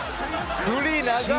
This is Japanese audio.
振り長っ！